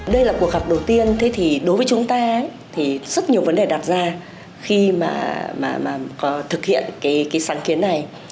đây là cuộc gặp đầu tiên thì đối với chúng ta thì rất nhiều vấn đề đặt ra khi mà thực hiện cái sáng kiến này